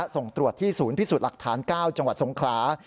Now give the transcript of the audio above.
ส่งตรวจที่ศูนย์พิสูจน์หลักฐาน๙จังหวัดสงขลา